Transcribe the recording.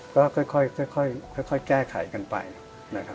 ก็ค่อยแก้ไขกันไปนะครับ